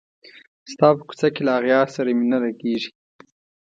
ستا په کوڅه کي له اغیار سره مي نه لګیږي